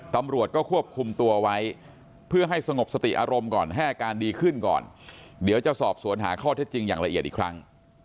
ตำรวจก็ควบคุมตัวไว้เพื่อให้สงบสติอารมณ์ก่อนให้อาการดีขึ้นก่อนเดี๋ยวจะสอบสวนหาข้อเท็จจริงอย่างละเอียดอีกครั้ง